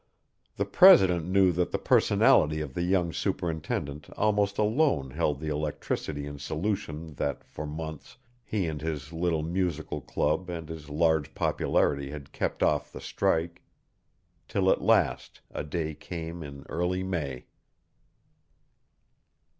The president knew that the personality of the young superintendent almost alone held the electricity in solution that for months he and his little musical club and his large popularity had kept off the strike. Till at last a day came in early May.